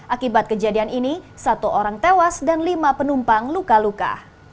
akibat kejadian ini satu orang tewas dan lima penumpang luka luka